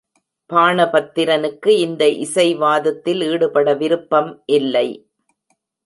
பாணபத்திரனுக்கு இந்த இசைவாதத்தில் ஈடுபட விருப்பம் இல்லை.